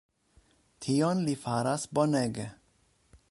Tion li faras bonege.